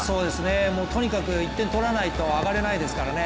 とにかく１点をとらないとあがれないですからね。